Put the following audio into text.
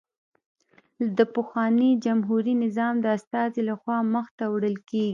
د پخواني جمهوري نظام د استازي له خوا مخته وړل کېږي